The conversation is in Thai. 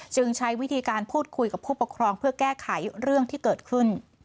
ใช้วิธีการพูดคุยกับผู้ปกครองเพื่อแก้ไขเรื่องที่เกิดขึ้น